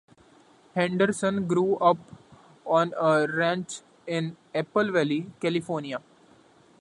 Henderson grew up on a ranch in Apple Valley, California.